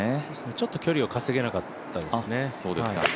ちょっと距離を稼げなかったですね。